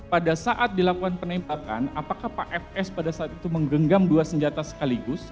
pada saat dilakukan penembakan apakah pak fs pada saat itu menggenggam dua senjata sekaligus